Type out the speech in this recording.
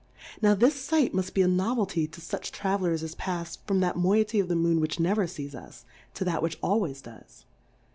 Now this Sight muft be a Novelty to fuch Travel lers as pafs from that Moiety of the Moon which never fees us, to t at which al ways does.